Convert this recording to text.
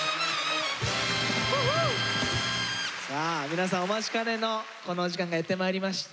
さあ皆さんお待ちかねのこのお時間がやってまいりました。